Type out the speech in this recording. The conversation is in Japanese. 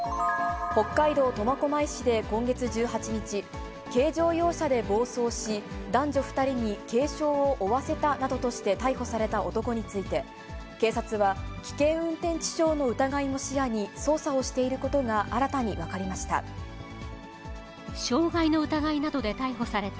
北海道苫小牧市で今月１８日、軽乗用車で暴走し、男女２人に軽傷を負わせたなどとして逮捕された男について、警察は、危険運転致傷の疑いも視野に捜査をしていることが新たに分かりました。